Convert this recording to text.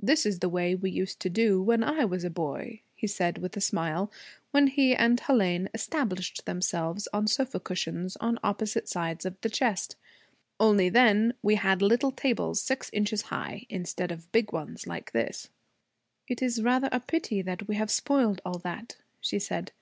'This is the way we used to do when I was a boy,' he said with a smile, when he and Hélène established themselves on sofa cushions on opposite sides of the chest. 'Only then we had little tables six inches high, instead of big ones like this.' 'It is rather a pity that we have spoiled all that,' she said.